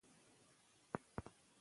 له همکارانو سره مثبت اړیکه وساتئ.